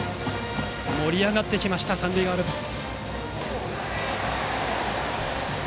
盛り上がってきた、三塁アルプス。